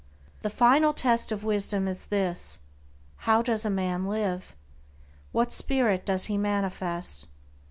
The final test of wisdom is this, how does a man live? What spirit does he manifest?